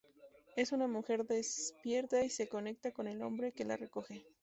Es una mujer despierta y se conecta con el hombre que la recoge.